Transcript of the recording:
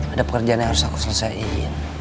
ada pekerjaan yang harus aku selesaiin